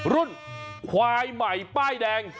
รุ่นควายใหม่ป้ายแดง